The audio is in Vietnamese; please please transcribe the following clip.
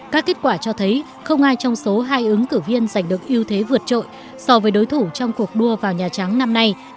các kết quả cho thấy không ai trong số hai ứng cử viên giành được ưu thế vượt trội so với đối thủ trong cuộc đua vào nhà trắng năm nay